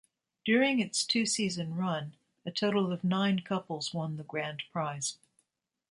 During its two-season run, a total of nine couples won the grand prize.